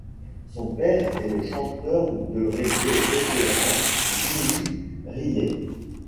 Son père est le chanteur de reggae vétéran Jimmy Riley.